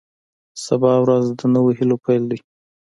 سبا ورځ د نویو هیلو پیل دی.